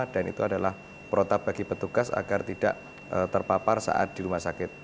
dan itu adalah protab bagi petugas agar tidak terpapar saat di rumah sakit